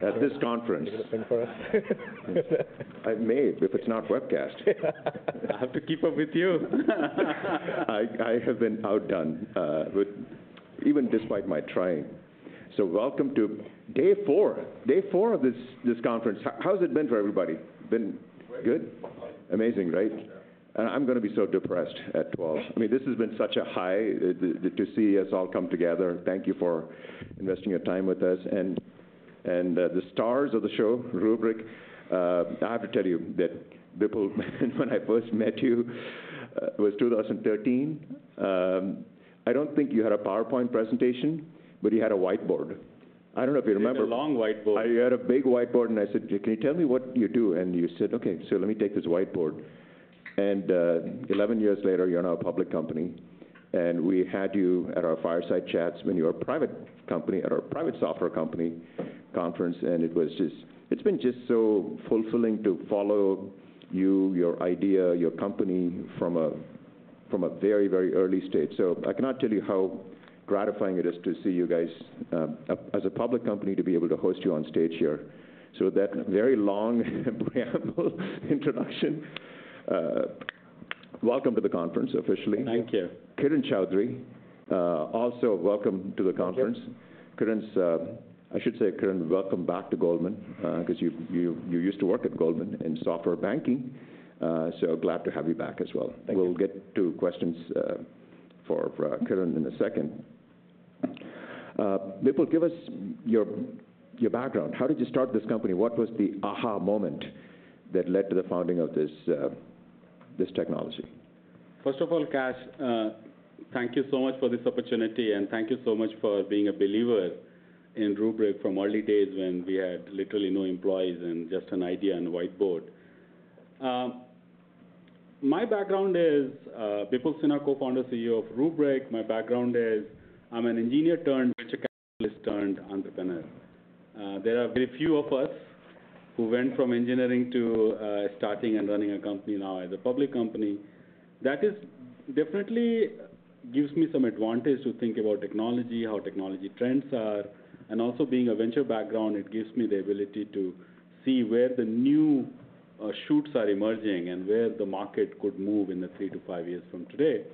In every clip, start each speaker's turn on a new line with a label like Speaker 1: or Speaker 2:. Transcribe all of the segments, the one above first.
Speaker 1: At this conference. I may, if it's not webcast.
Speaker 2: I have to keep up with you.
Speaker 1: I have been outdone, with even despite my trying. So welcome to day four of this conference. How's it been for everybody? Been good? Amazing, right?
Speaker 2: Yeah.
Speaker 1: And I'm gonna be so depressed at 12. I mean, this has been such a high, to see us all come together. Thank you for investing your time with us. And, and, the stars of the show, Rubrik, I have to tell you that, Bipul, when I first met you, it was 2013, I don't think you had a PowerPoint presentation, but you had a whiteboard. I don't know if you remember-
Speaker 2: It was a long whiteboard.
Speaker 1: You had a big whiteboard, and I said, "Can you tell me what you do?" And you said, "Okay, so let me take this whiteboard." And, 11 years later, you're now a public company, and we had you at our fireside chats when you were a private company, at our private software company conference, and it was just... It's been just so fulfilling to follow you, your idea, your company from a very, very early stage. So I cannot tell you how gratifying it is to see you guys, as a public company, to be able to host you on stage here. So with that very long preamble introduction, welcome to the conference officially.
Speaker 2: Thank you.
Speaker 1: Kiran Choudary, also welcome to the conference.
Speaker 3: Thank you.
Speaker 1: Kiran’s, I should say, Kiran, welcome back to Goldman, 'cause you used to work at Goldman in software banking. So glad to have you back as well.
Speaker 3: Thank you.
Speaker 1: We'll get to questions for Kiran in a second. Bipul, give us your background. How did you start this company? What was the aha moment that led to the founding of this technology?
Speaker 2: First of all, Kash, thank you so much for this opportunity, and thank you so much for being a believer in Rubrik from early days when we had literally no employees and just an idea on the whiteboard. My background is, Bipul Sinha, Co-founder, CEO of Rubrik. My background is, I'm an engineer turned venture capitalist, turned entrepreneur. There are very few of us who went from engineering to, starting and running a company, now as a public company. That is, definitely gives me some advantage to think about technology, how technology trends are, and also being a venture background, it gives me the ability to see where the new, shoots are emerging and where the market could move in the three to five years from today.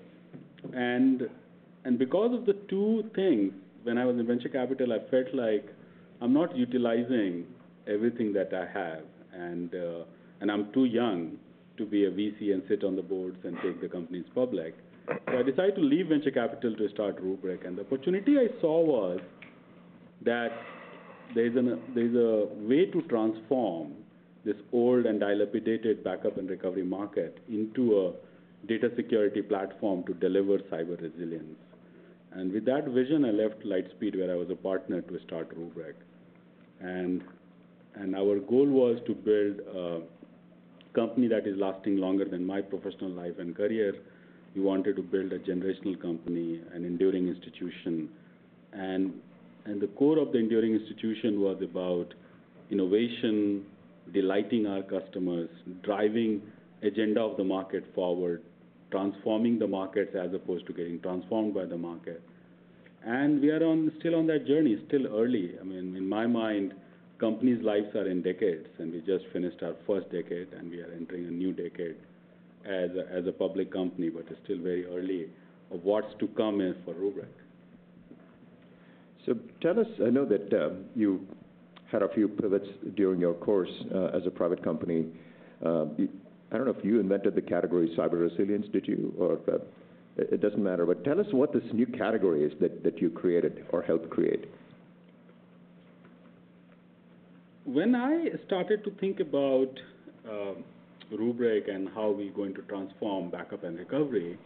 Speaker 2: Because of the two things, when I was in venture capital, I felt like I'm not utilizing everything that I have, and I'm too young to be a VC and sit on the boards and take the companies public. So I decided to leave venture capital to start Rubrik. The opportunity I saw was that there's a way to transform this old and dilapidated backup and recovery market into a data security platform to deliver cyber resilience. With that vision, I left Lightspeed, where I was a partner, to start Rubrik. Our goal was to build a company that is lasting longer than my professional life and career. We wanted to build a generational company, an enduring institution. The core of the enduring institution was about innovation, delighting our customers, driving agenda of the market forward, transforming the market as opposed to getting transformed by the market. We are still on that journey, still early. I mean, in my mind, companies' lives are in decades, and we just finished our first decade, and we are entering a new decade as a public company, but it's still very early of what's to come in for Rubrik.
Speaker 1: So tell us. I know that you had a few pivots during your course as a private company. I don't know if you invented the category cyber resilience. Did you? Or, it doesn't matter. But tell us what this new category is that you created or helped create.
Speaker 2: When I started to think about Rubrik and how we're going to transform backup and recovery,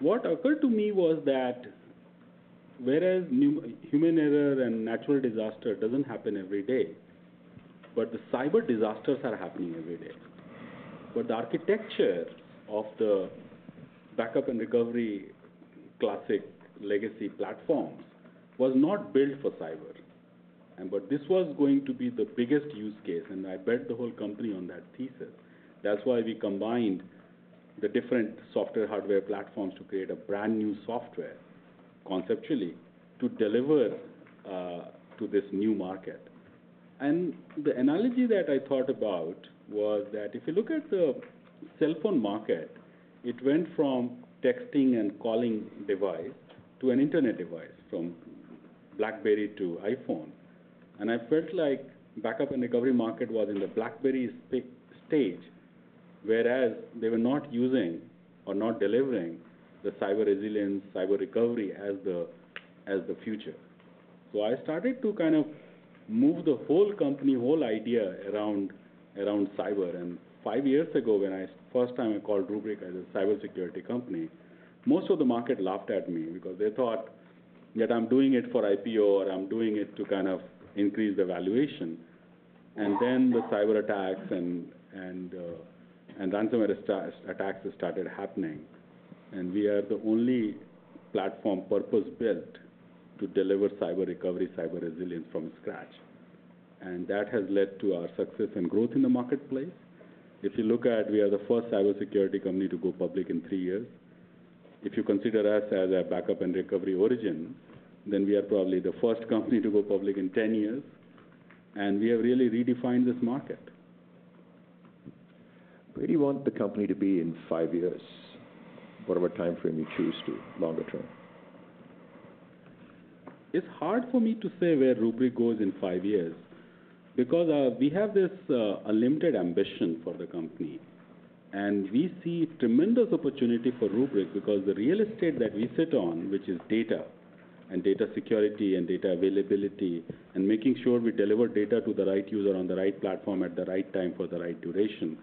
Speaker 2: what occurred to me was that whereas human error and natural disaster doesn't happen every day, but the cyber disasters are happening every day, but the architecture of the backup and recovery, classic legacy platforms, was not built for cyber, but this was going to be the biggest use case, and I bet the whole company on that thesis. That's why we combined the different software, hardware platforms to create a brand new software, conceptually, to deliver to this new market, and the analogy that I thought about was that if you look at the cell phone market, it went from texting and calling device to an internet device, from BlackBerry to iPhone. I felt like the backup and recovery market was in the BlackBerry stage, whereas they were not using or not delivering the cyber resilience, cyber recovery, as the future. So I started to kind of move the whole company, whole idea around, around cyber. And five years ago, when I first time I called Rubrik as a cybersecurity company, most of the market laughed at me because they thought that I'm doing it for IPO or I'm doing it to kind of increase the valuation. And then the cyberattacks and ransomware attacks started happening. And we are the only platform purpose-built to deliver cyber recovery, cyber resilience from scratch. And that has led to our success and growth in the marketplace. If you look at, we are the first cybersecurity company to go public in three years. If you consider us as a backup and recovery origin, then we are probably the first company to go public in 10 years, and we have really redefined this market.
Speaker 1: Where do you want the company to be in five years? Whatever timeframe you choose to, longer term.
Speaker 2: It's hard for me to say where Rubrik goes in five years, because we have this unlimited ambition for the company. We see tremendous opportunity for Rubrik because the real estate that we sit on, which is data, and data security, and data availability, and making sure we deliver data to the right user on the right platform at the right time for the right duration,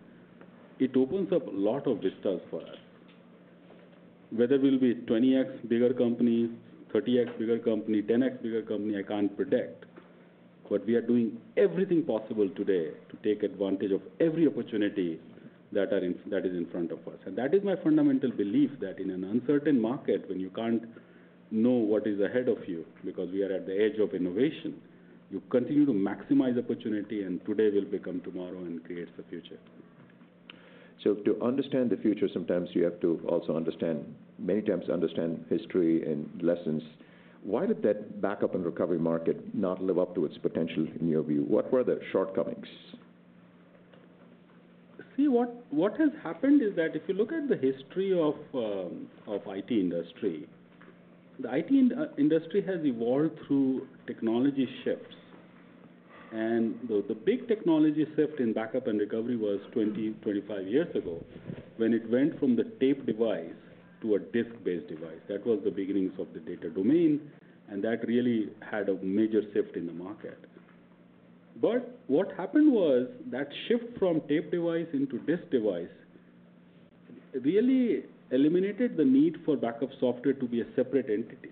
Speaker 2: it opens up a lot of discussion for us. Whether we'll be 20x bigger company, 30x bigger company, 10x bigger company, I can't predict. We are doing everything possible today to take advantage of every opportunity that is in front of us. That is my fundamental belief, that in an uncertain market, when you can't know what is ahead of you, because we are at the edge of innovation, you continue to maximize opportunity, and today will become tomorrow and creates the future.
Speaker 1: So to understand the future, sometimes you have to also understand, many times, history and lessons. Why did that backup and recovery market not live up to its potential in your view? What were the shortcomings?
Speaker 2: See, what has happened is that if you look at the history of the IT industry, the IT industry has evolved through technology shifts. The big technology shift in backup and recovery was 25 years ago, when it went from the tape device to a disk-based device. That was the beginnings of the Data Domain, and that really had a major shift in the market. What happened was, that shift from tape device into disk device really eliminated the need for backup software to be a separate entity.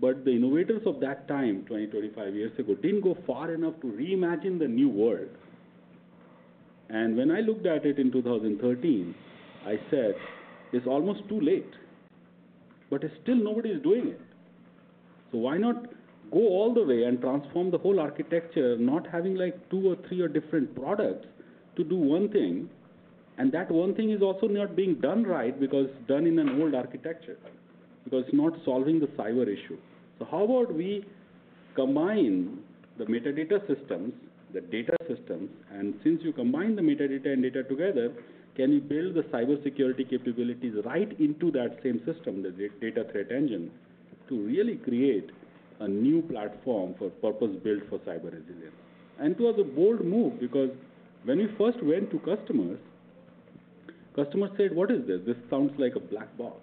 Speaker 2: The innovators of that time, 25 years ago, didn't go far enough to reimagine the new world. When I looked at it in 2013, I said, "It's almost too late, but still nobody is doing it. So why not go all the way and transform the whole architecture, not having, like, two or three or different products to do one thing?" And that one thing is also not being done right, because done in an old architecture, because it's not solving the cyber issue. So how about we combine the metadata systems, the data systems, and since you combine the metadata and data together, can you build the cybersecurity capabilities right into that same system, the data threat engine, to really create a new platform purpose-built for cyber resilience? And it was a bold move, because when we first went to customers, customers said: "What is this? This sounds like a black box.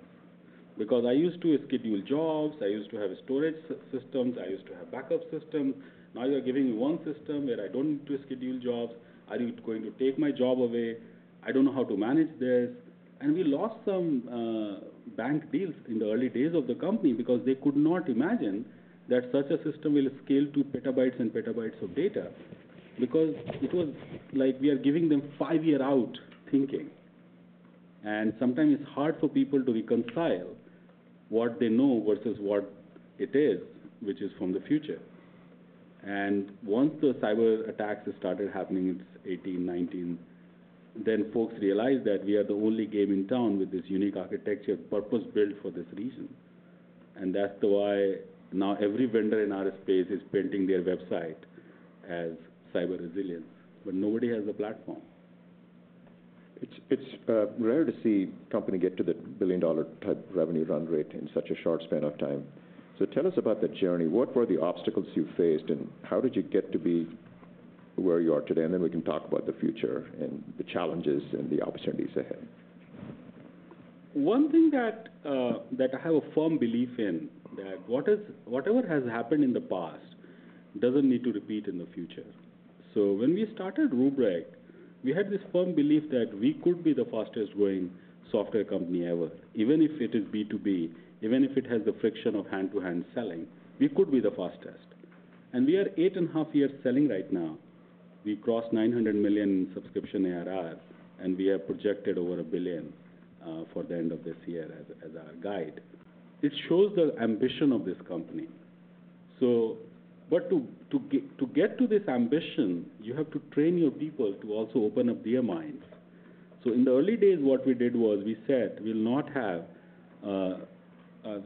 Speaker 2: Because I used to schedule jobs, I used to have storage systems, I used to have backup system. Now you are giving me one system where I don't need to schedule jobs. Are you going to take my job away? I don't know how to manage this." And we lost some bank deals in the early days of the company because they could not imagine that such a system will scale to petabytes and petabytes of data. Because it was like we are giving them five-year-out thinking. And sometimes it's hard for people to reconcile what they know versus what it is, which is from the future. And once the cyber attacks started happening in 2018, 2019, then folks realized that we are the only game in town with this unique architecture, purpose-built for this reason. And that's why now every vendor in our space is building their website as cyber resilience, but nobody has a platform.
Speaker 1: It's rare to see a company get to the billion-dollar type revenue run rate in such a short span of time. So tell us about that journey. What were the obstacles you faced, and how did you get to be where you are today, and then we can talk about the future and the challenges and the opportunities ahead.
Speaker 2: One thing that I have a firm belief in, that whatever has happened in the past doesn't need to repeat in the future. So when we started Rubrik, we had this firm belief that we could be the fastest-growing software company ever. Even if it is B2B, even if it has the friction of hand-to-hand selling, we could be the fastest. And we are eight and a half years selling right now. We crossed $900 million subscription ARR, and we are projected over $1 billion for the end of this year as our guide. It shows the ambition of this company. So but to get to this ambition, you have to train your people to also open up their minds. So in the early days, what we did was, we said we'll not have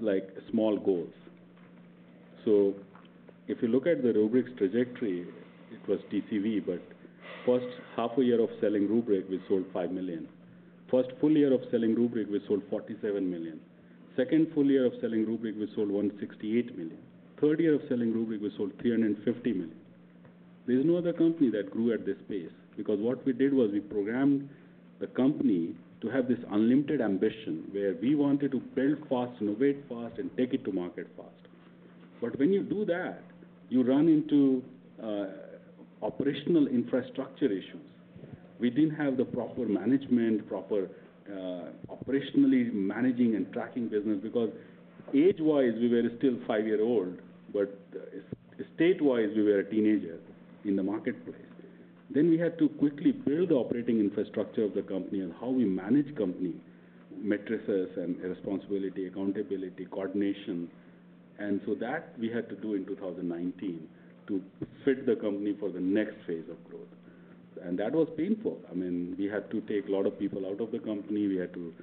Speaker 2: like small goals. So if you look at the Rubrik's trajectory, it was TCV, but first half a year of selling Rubrik, we sold $5 million. First full year of selling Rubrik, we sold $47 million. Second full year of selling Rubrik, we sold $168 million. Third year of selling Rubrik, we sold $350 million. There's no other company that grew at this pace, because what we did was, we programmed the company to have this unlimited ambition, where we wanted to build fast, innovate fast, and take it to market fast. But when you do that, you run into, operational infrastructure issues. We didn't have the proper management, proper, operationally managing and tracking business, because age-wise, we were still five-year-old, but, state-wise, we were a teenager in the marketplace. Then we had to quickly build the operating infrastructure of the company and how we manage company metrics and responsibility, accountability, coordination. And so that we had to do in 2019 to fit the company for the next phase of growth, and that was painful. I mean, we had to take a lot of people out of the company. We had to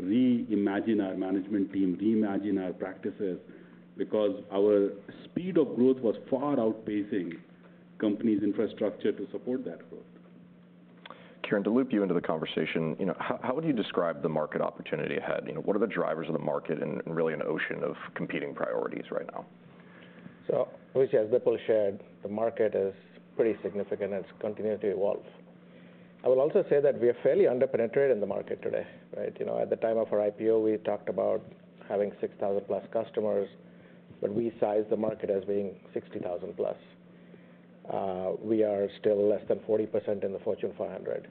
Speaker 2: reimagine our management team, reimagine our practices, because our speed of growth was far outpacing company's infrastructure to support that growth.
Speaker 1: Kiran, to loop you into the conversation, you know, how would you describe the market opportunity ahead? You know, what are the drivers of the market and really an ocean of competing priorities right now?
Speaker 3: Obviously, as Bipul shared, the market is pretty significant, and it's continuing to evolve. I will also say that we are fairly under-penetrated in the market today, right? You know, at the time of our IPO, we talked about having 6,000+ customers, but we sized the market as being 60,000+. We are still less than 40% in the Fortune 500.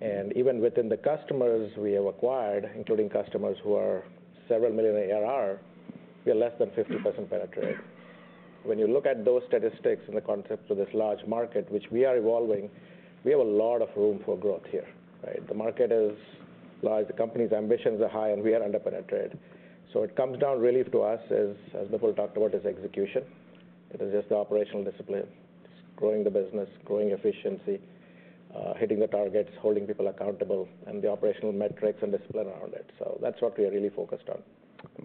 Speaker 3: And even within the customers we have acquired, including customers who are several million ARR, we are less than 50% penetrated. When you look at those statistics in the context of this large market, which we are evolving, we have a lot of room for growth here, right? The market is large, the company's ambitions are high, and we are under-penetrated. So it comes down really to us, as Bipul talked about, is execution. It is just the operational discipline. It's growing the business, growing efficiency, hitting the targets, holding people accountable, and the operational metrics and discipline around it, so that's what we are really focused on.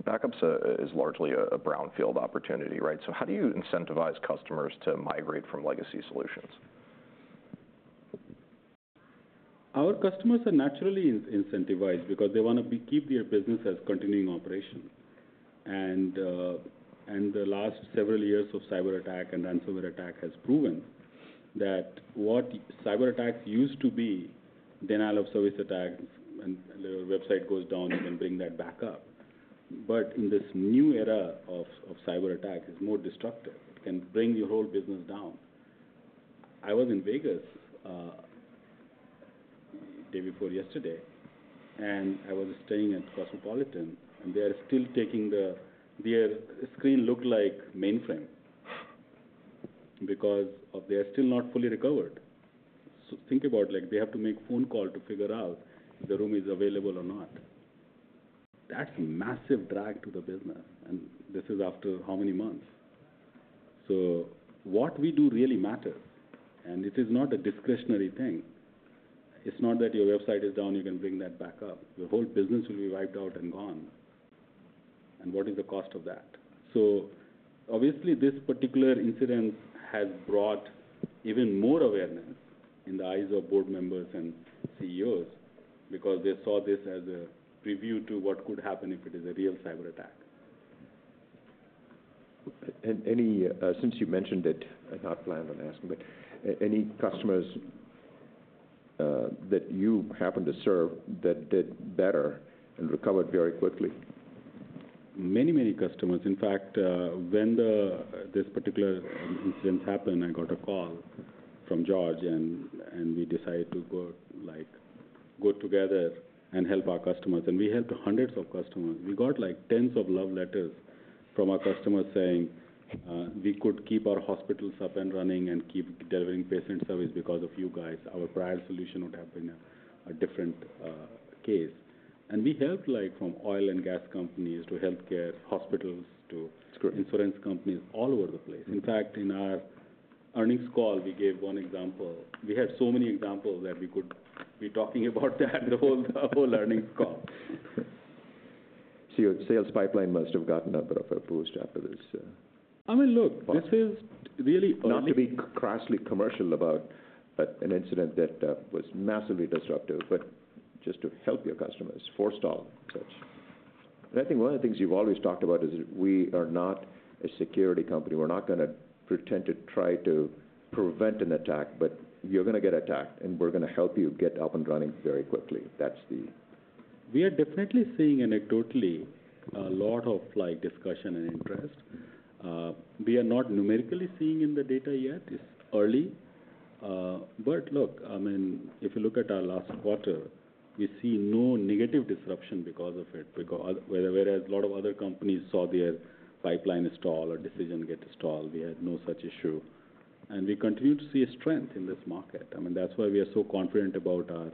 Speaker 1: Backups is largely a brownfield opportunity, right? So how do you incentivize customers to migrate from legacy solutions?
Speaker 2: Our customers are naturally incentivized because they want to keep their business as continuing operation. And the last several years of cyberattack and ransomware attack has proven that what cyberattacks used to be, denial-of-service attacks, and the website goes down, you can bring that back up. But in this new era of cyberattack, it's more destructive. It can bring your whole business down. I was in Vegas day before yesterday, and I was staying at Cosmopolitan, and they are still taking the... Their screen looked like mainframe because of they are still not fully recovered. So think about, like, they have to make phone call to figure out if the room is available or not. That's a massive drag to the business, and this is after how many months? So what we do really matters, and it is not a discretionary thing. It's not that your website is down, you can bring that back up. Your whole business will be wiped out and gone, and what is the cost of that, so obviously, this particular incident has brought even more awareness in the eyes of board members and CEOs because they saw this as a preview to what could happen if it is a real cyberattack.
Speaker 1: Any, since you mentioned it, I had not planned on asking, but any customers that you happen to serve that did better and recovered very quickly?
Speaker 2: Many, many customers. In fact, when this particular incident happened, I got a call from George, and we decided to go, like, go together and help our customers, and we helped hundreds of customers. We got, like, tens of love letters from our customers saying, "We could keep our hospitals up and running and keep delivering patient service because of you guys. Our prior solution would have been a different case." And we helped, like, from oil and gas companies to healthcare, hospitals, to insurance companies all over the place. In fact, in our earnings call, we gave one example. We had so many examples that we could be talking about that the whole earnings call.
Speaker 1: So your sales pipeline must have gotten a bit of a boost after this.
Speaker 2: I mean, look, this is really early-
Speaker 1: Not to be crassly commercial about an incident that was massively disruptive, but just to help your customers forestall such... And I think one of the things you've always talked about is we are not a security company. We're not gonna pretend to try to prevent an attack, but you're gonna get attacked, and we're gonna help you get up and running very quickly. That's the-
Speaker 2: We are definitely seeing anecdotally a lot of, like, discussion and interest. We are not numerically seeing in the data yet. It's early. But look, I mean, if you look at our last quarter, we see no negative disruption because of it. Because whereas a lot of other companies saw their pipeline stall or decision get stalled, we had no such issue, and we continue to see a strength in this market. I mean, that's why we are so confident about our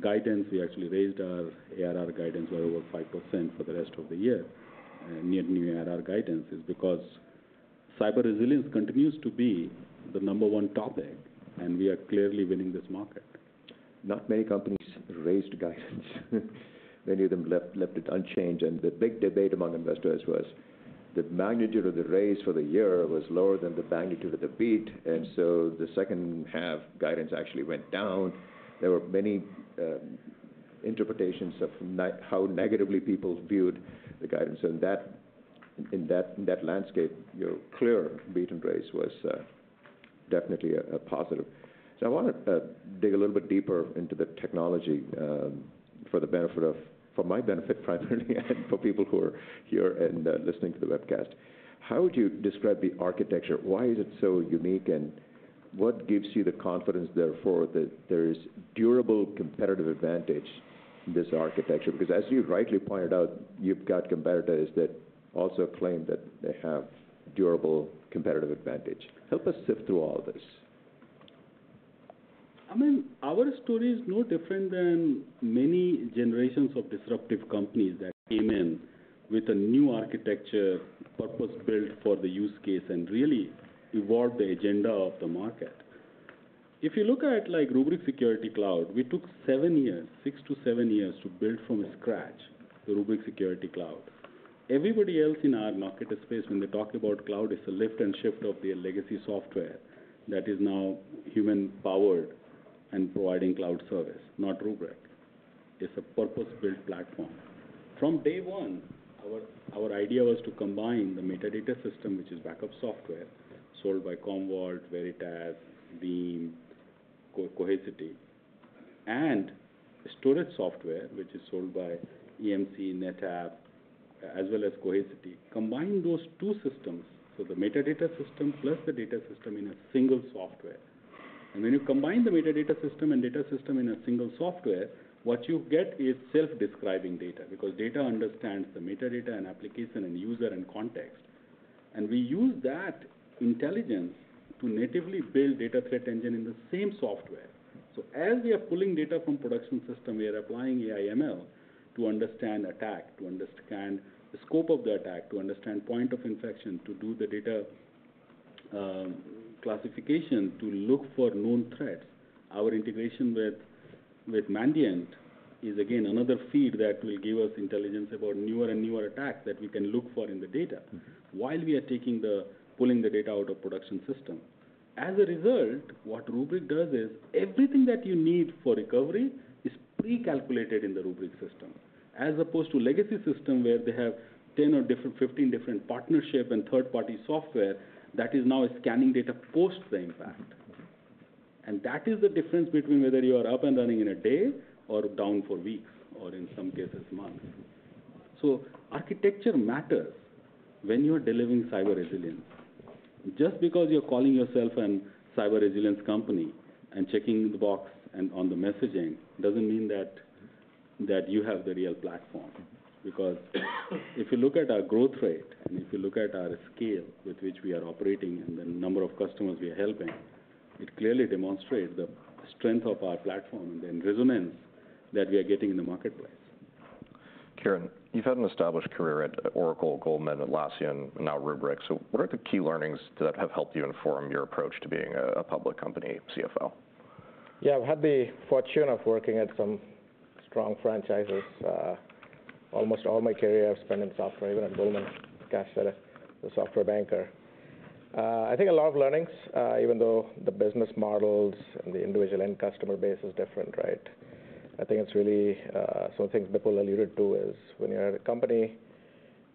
Speaker 2: guidance. We actually raised our ARR guidance by over 5% for the rest of the year, and new ARR guidance is because cyber resilience continues to be the number one topic, and we are clearly winning this market.
Speaker 1: Not many companies raised guidance. Many of them left it unchanged, and the big debate among investors was the magnitude of the raise for the year was lower than the magnitude of the beat, and so the second half guidance actually went down. There were many interpretations of how negatively people viewed the guidance. And that in that landscape, your clear beat and raise was definitely a positive. So I want to dig a little bit deeper into the technology for my benefit, primarily, and for people who are here and listening to the webcast. How would you describe the architecture? Why is it so unique, and what gives you the confidence, therefore, that there is durable competitive advantage in this architecture? Because as you've rightly pointed out, you've got competitors that also claim that they have durable competitive advantage. Help us sift through all this.
Speaker 2: I mean, our story is no different than many generations of disruptive companies that came in with a new architecture purpose-built for the use case, and really evolve the agenda of the market. If you look at, like, Rubrik Security Cloud, we took seven years, six to seven years, to build from scratch the Rubrik Security Cloud. Everybody else in our market space, when they talk about cloud, it's a lift and shift of their legacy software that is now human-powered and providing cloud service, not Rubrik. It's a purpose-built platform. From day one, our idea was to combine the metadata system, which is backup software, sold by Commvault, Veritas, Veeam, Cohesity, and storage software, which is sold by EMC, NetApp, as well as Cohesity, combine those two systems, so the metadata system plus the data system in a single software. And when you combine the metadata system and data system in a single software, what you get is self-describing data, because data understands the metadata, and application, and user, and context. And we use that intelligence to natively build data threat engine in the same software. So as we are pulling data from production system, we are applying AI/ML to understand attack, to understand the scope of the attack, to understand point of infection, to do the data classification, to look for known threats. Our integration with Mandiant is, again, another feed that will give us intelligence about newer and newer attacks that we can look for in the data.
Speaker 1: Mm-hmm.
Speaker 2: While we are pulling the data out of the production system. As a result, what Rubrik does is everything that you need for recovery is pre-calculated in the Rubrik system, as opposed to legacy system, where they have 10 or 15 different partnerships and third-party software that is now scanning data post the impact. That is the difference between whether you are up and running in a day or down for weeks, or in some cases, months. Architecture matters when you are delivering cyber resilience. Just because you're calling yourself a cyber resilience company and checking the box and on the messaging, doesn't mean that you have the real platform. Because if you look at our growth rate, and if you look at our scale with which we are operating and the number of customers we are helping, it clearly demonstrates the strength of our platform and the resonance that we are getting in the marketplace.
Speaker 1: Kiran, you've had an established career at Oracle, Goldman, Atlassian, and now Rubrik. So what are the key learnings that have helped you inform your approach to being a public company CFO?
Speaker 3: Yeah, I've had the fortune of working at some strong franchises. Almost all my career I've spent in software, even at Goldman, Kash, the software banker. I think a lot of learnings, even though the business models and the individual end customer base is different, right? I think it's really, some things Bipul alluded to, is when you're at a company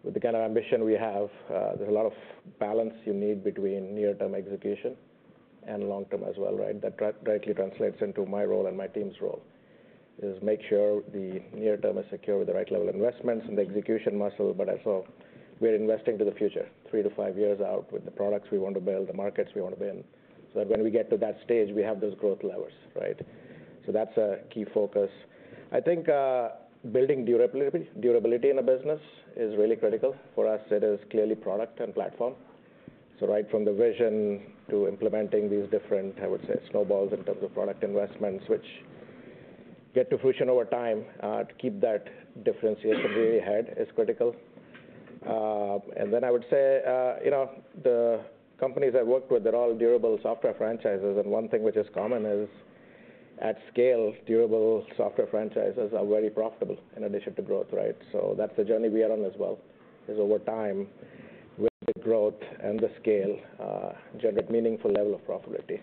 Speaker 3: with the kind of ambition we have, there's a lot of balance you need between near-term execution and long-term as well, right? That directly translates into my role and my team's role, is make sure the near term is secure with the right level of investments and the execution muscle. But also, we are investing to the future, three to five years out, with the products we want to build, the markets we want to be in. So that when we get to that stage, we have those growth levers, right? So that's a key focus. I think, building durability, durability in a business is really critical. For us, it is clearly product and platform. So right from the vision to implementing these different, I would say, snowballs in terms of product investments, which get to fruition over time, to keep that differentiation way ahead is critical. And then I would say, you know, the companies I've worked with, they're all durable software franchises, and one thing which is common is, at scale, durable software franchises are very profitable in addition to growth, right? So that's the journey we are on as well, is over time, with the growth and the scale, generate meaningful level of profitability.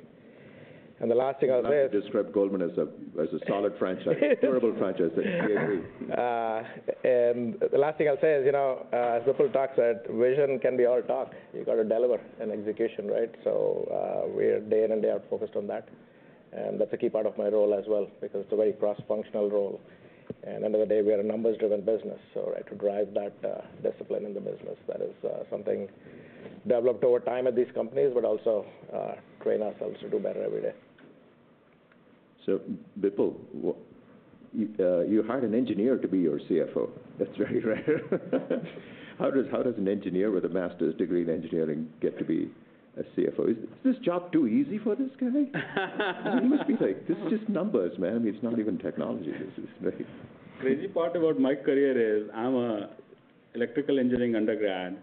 Speaker 3: And the last thing I'll say-
Speaker 1: I would like to describe Goldman as a solid franchise. Durable franchise. I agree.
Speaker 3: And the last thing I'll say is, you know, as Bipul talked about, vision can be all talk. You've got to deliver and execution, right? So, we're day in and day out focused on that, and that's a key part of my role as well, because it's a very cross-functional role. And end of the day, we are a numbers-driven business, so I have to drive that, discipline in the business. That is, something developed over time at these companies, but also, train ourselves to do better every day.
Speaker 1: So, Bipul, what... you hired an engineer to be your CFO. That's very rare. How does an engineer with a master's degree in engineering get to be a CFO? Is this job too easy for this guy? He must be like, "This is just numbers, man. It's not even technology." This is very...
Speaker 2: Crazy part about my career is, I'm an electrical engineering undergrad,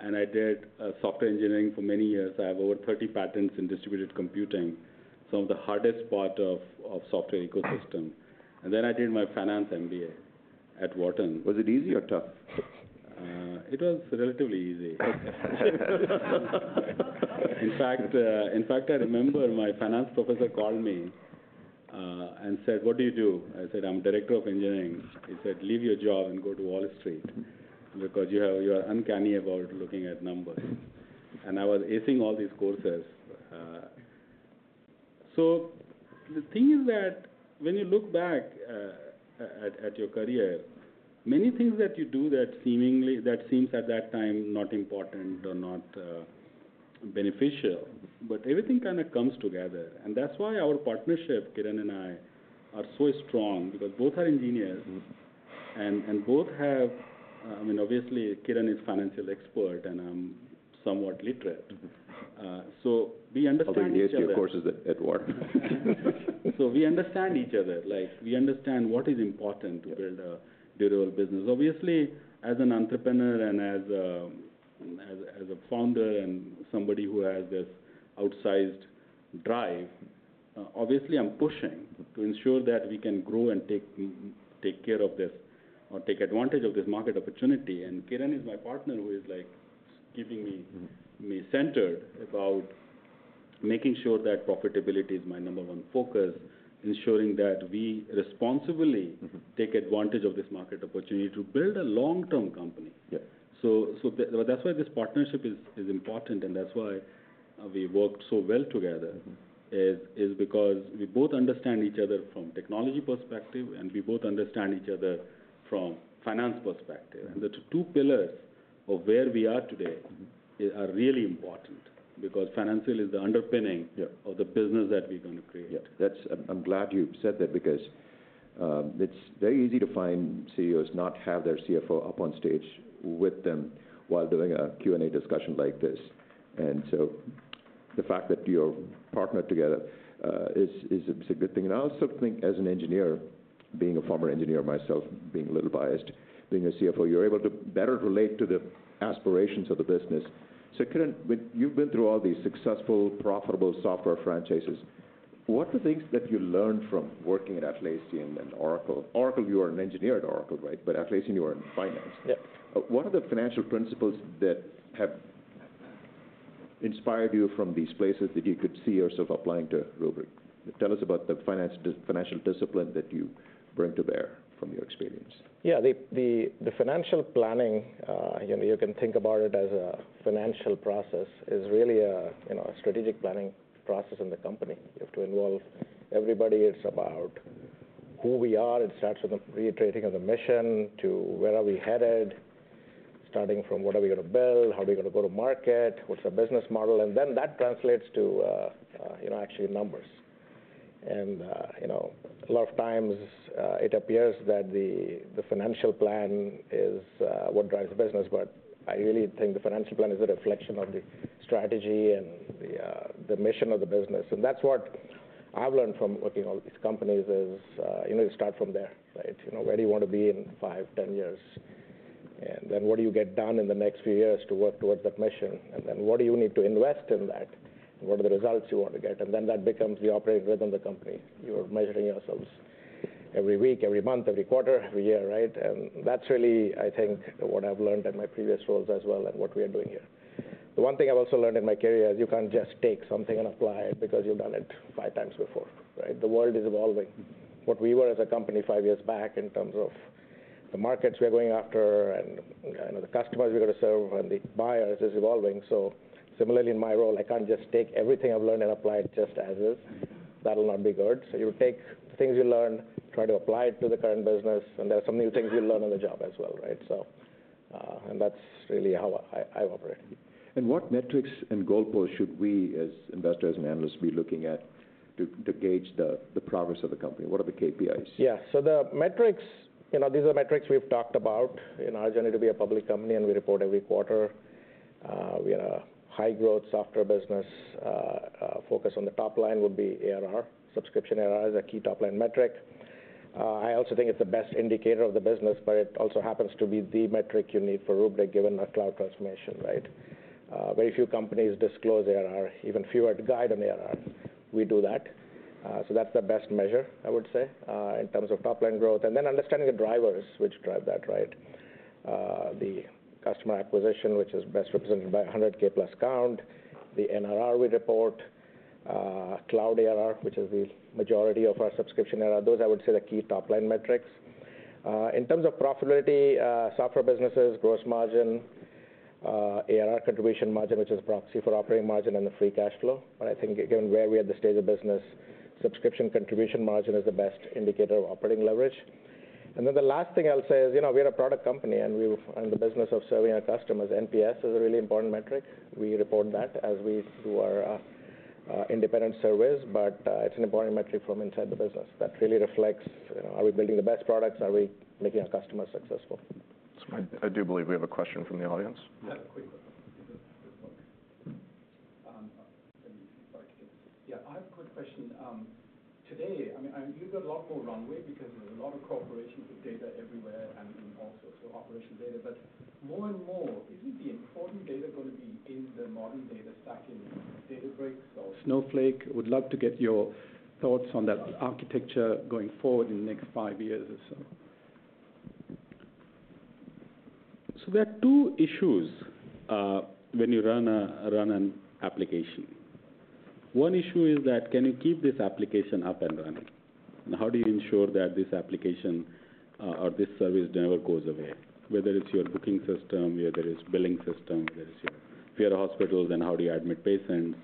Speaker 2: and I did software engineering for many years. I have over 30 patents in distributed computing, some of the hardest part of software ecosystem. Then I did my finance MBA at Wharton.
Speaker 1: Was it easy or tough?
Speaker 2: It was relatively easy. In fact, in fact, I remember my finance professor called me and said: "What do you do?" I said, "I'm Director of Engineering." He said: "Leave your job and go to Wall Street, because you are uncanny about looking at numbers." And I was acing all these courses. So the thing is that when you look back at your career, many things that you do that seem at that time not important or not beneficial, but everything kinda comes together. And that's why our partnership, Kiran and I, are so strong, because both are engineers, and both have... I mean, obviously, Kiran is financial expert, and I'm somewhat literate. So we understand each other.
Speaker 1: Although your course is at war.
Speaker 2: So we understand each other, like we understand what is important-
Speaker 1: Yeah
Speaker 2: to build a durable business. Obviously, as an entrepreneur and as a founder and somebody who has this outsized drive, obviously I'm pushing to ensure that we can grow and take care of this or take advantage of this market opportunity. And Kiran is my partner who is, like, keeping me centered about making sure that profitability is my number one focus, ensuring that we responsibly take advantage of this market opportunity to build a long-term company.
Speaker 1: Yeah.
Speaker 2: That's why this partnership is important, and that's why we worked so well together-
Speaker 1: Mm-hmm
Speaker 2: Is because we both understand each other from technology perspective, and we both understand each other from finance perspective.
Speaker 1: Yeah.
Speaker 2: The two pillars of where we are today.
Speaker 1: Mm-hmm
Speaker 2: Are really important, because financial is the underpinning of the business that we're going to create.
Speaker 1: Yeah, that's. I'm glad you said that, because it's very easy to find CEOs not have their CFO up on stage with them while doing a Q&A discussion like this. And so the fact that you're partnered together is, it's a good thing. And I also think as an engineer, being a former engineer myself, being a little biased, being a CFO, you're able to better relate to the aspirations of the business. So Kiran, you've been through all these successful, profitable software franchises. What are the things that you learned from working at Atlassian and Oracle? Oracle, you are an engineer at Oracle, right? But Atlassian, you are in finance.
Speaker 3: Yep.
Speaker 1: What are the financial principles that have inspired you from these places that you could see yourself applying to Rubrik? Tell us about the financial discipline that you bring to bear from your experience.
Speaker 3: Yeah, the financial planning, you know, you can think about it as a financial process, is really, you know, a strategic planning process in the company. You have to involve everybody. It's about who we are. It starts with the reiterating of the mission, to where are we headed, starting from what are we going to build, how are we going to go to market, what's our business model? And then that translates to, you know, actually numbers. And, you know, a lot of times, it appears that the financial plan is what drives the business, but I really think the financial plan is a reflection of the strategy and the mission of the business. And that's what I've learned from working on these companies is, you know, start from there, right? You know, where do you want to be in five, ten years? And then what do you get done in the next few years to work towards that mission? And then what do you need to invest in that? What are the results you want to get? And then that becomes the operating rhythm of the company. You're measuring yourselves every week, every month, every quarter, every year, right? And that's really, I think, what I've learned in my previous roles as well and what we are doing here. The one thing I've also learned in my career is you can't just take something and apply it because you've done it 5x before, right? The world is evolving. What we were as a company five years back, in terms of the markets we are going after and, and the customers we're going to serve and the buyers, is evolving. So similarly, in my role, I can't just take everything I've learned and apply it just as is. That will not be good. So you take things you learn, try to apply it to the current business, and there are some new things you learn on the job as well, right? So, and that's really how I operate.
Speaker 1: What metrics and goalposts should we, as investors and analysts, be looking at to gauge the progress of the company? What are the KPIs?
Speaker 3: Yeah. So the metrics, you know, these are metrics we've talked about in our journey to be a public company, and we report every quarter. We are a high-growth software business, focus on the top line would be ARR. Subscription ARR is a key top-line metric. I also think it's the best indicator of the business, but it also happens to be the metric you need for Rubrik, given our cloud transformation, right? Very few companies disclose ARR, even fewer to guide an ARR. We do that. So that's the best measure, I would say, in terms of top-line growth, and then understanding the drivers which drive that, right? The customer acquisition, which is best represented by 100,000+ count, the NRR we report, cloud ARR, which is the majority of our subscription ARR. Those, I would say, are the key top-line metrics. In terms of profitability, software businesses, gross margin, ARR contribution margin, which is a proxy for operating margin and the free cash flow, but I think given where we are at the stage of business, subscription contribution margin is the best indicator of operating leverage, and then the last thing I'll say is, you know, we are a product company, and the business of serving our customers, NPS is a really important metric. We report that as we do our independent surveys, but it's an important metric from inside the business that really reflects, you know, are we building the best products? Are we making our customers successful?
Speaker 1: I do believe we have a question from the audience. Yeah, quick. Yeah, I have a quick question. Today, I mean, and you've got a lot more runway because there's a lot of cooperation with data everywhere and also operational data. But more and more, isn't the important data going to be in the modern data stack in Databricks or Snowflake? Would love to get your thoughts on that architecture going forward in the next five years or so.
Speaker 2: There are two issues when you run an application. One issue is that, can you keep this application up and running? And how do you ensure that this application or this service never goes away? Whether it's your booking system, whether it's billing system, whether it's your, if you're a hospital, then how do you admit patients,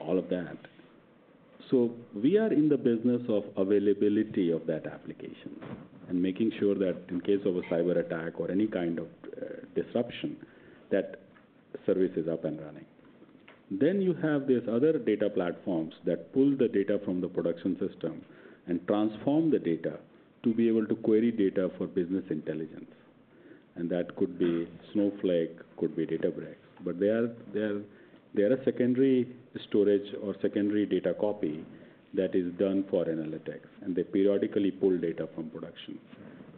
Speaker 2: all of that. We are in the business of availability of that application and making sure that in case of a cyberattack or any kind of disruption, that service is up and running. Then you have these other data platforms that pull the data from the production system and transform the data to be able to query data for business intelligence, and that could be Snowflake, could be Databricks. But they are a secondary storage or secondary data copy that is done for analytics, and they periodically pull data from production.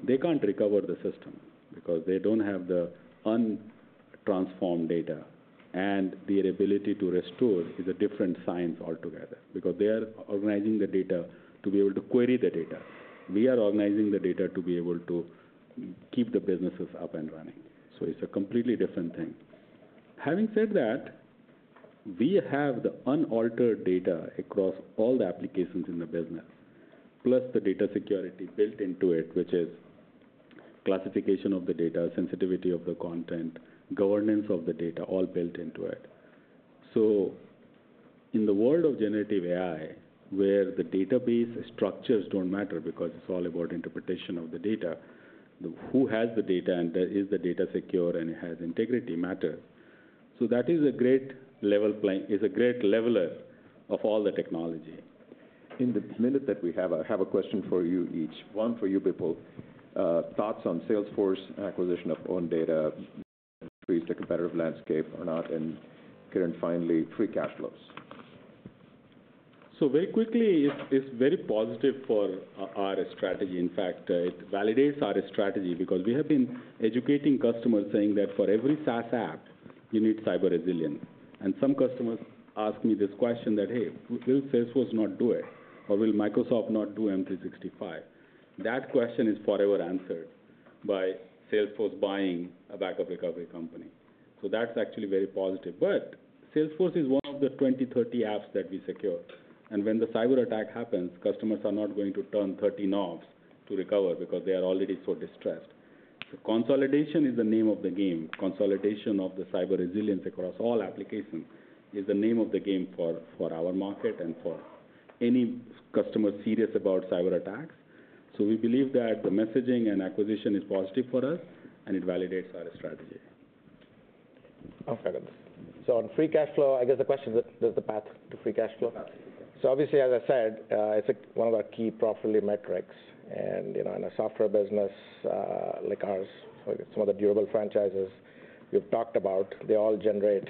Speaker 2: They can't recover the system, because they don't have the untransformed data, and their ability to restore is a different science altogether, because they are organizing the data to be able to query the data. We are organizing the data to be able to keep the businesses up and running, so it's a completely different thing. Having said that, we have the unaltered data across all the applications in the business, plus the data security built into it, which is classification of the data, sensitivity of the content, governance of the data, all built into it. So in the world of generative AI, where the database structures don't matter because it's all about interpretation of the data, who has the data and is the data secure and it has integrity matters. So that is a great leveler of all the technology.
Speaker 1: In the minute that we have, I have a question for you each. One, for you, Bipul, thoughts on Salesforce acquisition of Own Data, increase the competitive landscape or not, and Kiran, finally, free cash flows.
Speaker 2: So very quickly, it's very positive for our strategy. In fact, it validates our strategy because we have been educating customers, saying that for every SaaS app, you need cyber resilience. And some customers ask me this question that, "Hey, will Salesforce not do it, or will Microsoft not do M365?" That question is forever answered by Salesforce buying a backup recovery company. So that's actually very positive. But Salesforce is one of the 20-30 apps that we secure, and when the cyberattack happens, customers are not going to turn 30 knobs to recover because they are already so distressed. So consolidation is the name of the game. Consolidation of the cyber resilience across all applications is the name of the game for our market and for any customer serious about cyberattacks. So we believe that the messaging and acquisition is positive for us, and it validates our strategy.
Speaker 3: Okay. So on free cash flow, I guess the question is the path to free cash flow?
Speaker 1: Path to free cash.
Speaker 3: Obviously, as I said, it's one of our key profitability metrics. You know, in a software business like ours, some of the durable franchises we've talked about, they all generate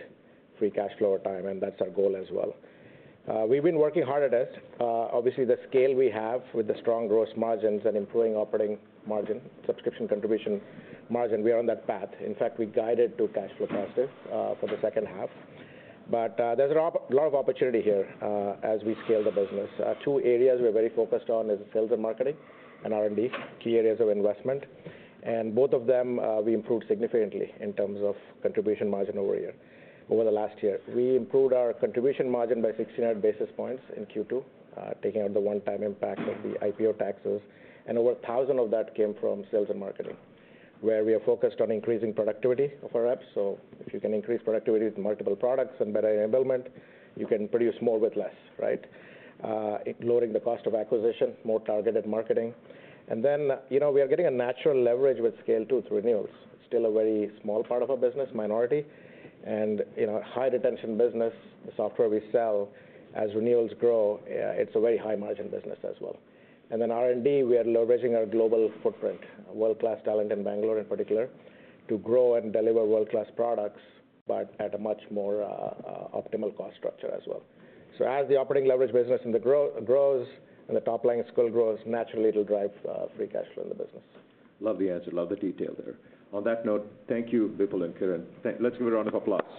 Speaker 3: free cash flow over time, and that's our goal as well. We've been working hard at this. Obviously, the scale we have with the strong growth margins and improving operating margin, subscription contribution margin, we are on that path. In fact, we guided to cash flow positive for the second half. There's a lot of opportunity here as we scale the business. Two areas we're very focused on is sales and marketing and R&D, key areas of investment. Both of them, we improved significantly in terms of contribution margin year over year, over the last year. We improved our contribution margin by 1,600 basis points in Q2, taking out the one-time impact of the IPO taxes. Over 1,000 of that came from sales and marketing, where we are focused on increasing productivity of our apps. If you can increase productivity with multiple products and better enablement, you can produce more with less, right? Lowering the cost of acquisition, more targeted marketing. Then, you know, we are getting a natural leverage with scale, too, through renewals. Still a very small part of our business, minority, and, you know, high-retention business. The software we sell, as renewals grow, it's a very high-margin business as well. Then R&D, we are leveraging our global footprint, world-class talent in Bangalore, in particular, to grow and deliver world-class products, but at a much more optimal cost structure as well. As the operating leverage business and the growth grows and the top line scale grows, naturally, it'll drive free cash flow in the business.
Speaker 1: Love the answer. Love the detail there. On that note, thank you, Bipul and Kiran. Let's give a round of applause.